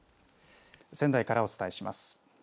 仙台からお伝えします。